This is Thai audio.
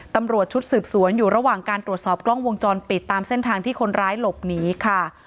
ตำรวจชุดสืบสวนอยู่ระหว่างการตรวจสอบกล้องวงจรปิดตามเส้นทางที่คนร้ายหลบหนีค่ะ